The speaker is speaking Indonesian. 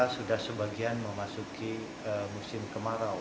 sudah sebagian memasuki musim kemarau